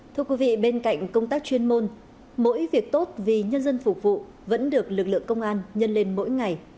thưa quý vị bên cạnh công tác chuyên môn mỗi việc tốt vì nhân dân phục vụ vẫn được lực lượng công an nhân lên mỗi ngày